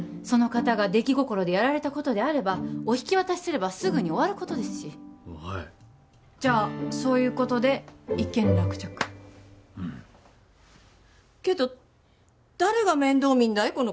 その方が出来心でやられたことであればお引き渡しすればすぐに終わることですしはいじゃあそういうことで一件落着うんけど誰が面倒見んだい？